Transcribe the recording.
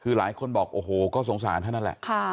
คือหลายคนบอกโอ้โหก็สงสารท่านนั่นแหละ